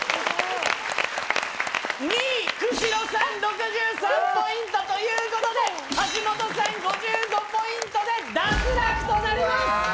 ２位久代さん６３ポイントということで橋本さん５５ポイントで脱落となります。